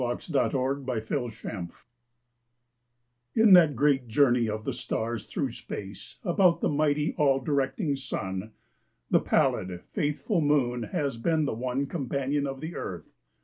A SOLAR ECLIPSE In that great journey of the stars through space About the mighty, all directing Sun, The pallid, faithful Moon has been the one Companion of the Earth.